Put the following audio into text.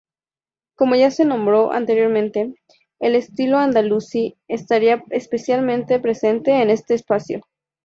Como ya se nombró anteriormente, el estilo andalusí estaría especialmente presente en este espacio.